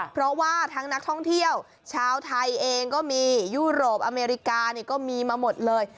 เพราะว่าทั้งนักท่องเที่ยวชาวไทยเองก็มียุโรปอเมริกาก็มีมาหมดเลย